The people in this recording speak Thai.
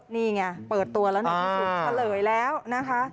นี่ไงเปิดตัวแล้วน่าจะรู้สึกเฉลยแล้วนะคะ